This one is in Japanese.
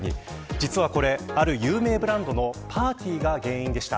実はこれ、ある有名ブランドのパーティーが原因でした。